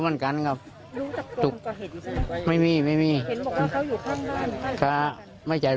ยอมรับว่าลงมือฆาตในเบี๋ยจริง